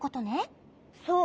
そう。